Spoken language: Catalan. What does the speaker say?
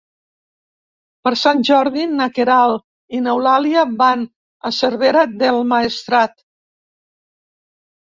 Per Sant Jordi na Queralt i n'Eulàlia van a Cervera del Maestrat.